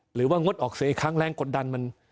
หรือว่างดออกเสียครั้งแรงกดดัน